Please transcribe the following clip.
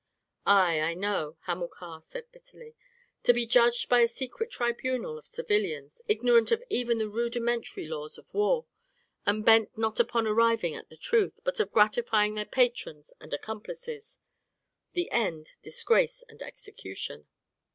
"Ay, I know," Hamilcar said bitterly; "to be judged by a secret tribunal of civilians, ignorant of even the rudimentary laws of war, and bent not upon arriving at the truth, but of gratifying their patrons and accomplices; the end, disgrace and execution.